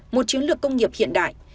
một chiến lược công nghiệp hiện đại